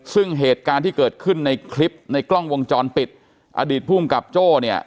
ซึ่งเหตุการณ์ที่เกิดขึ้นในคลิปในกล้องวงจรปิดอดีตภูมิกับโจ้เนี่ย